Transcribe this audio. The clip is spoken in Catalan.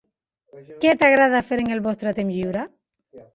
Què t'agrada fer en el vostre temps lliure?